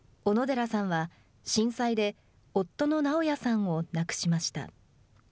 小野寺さんは、震災で夫の直也さんを亡くしました。